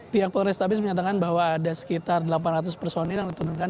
pihak polres tabis menyatakan bahwa ada sekitar delapan ratus personil yang ditunjukkan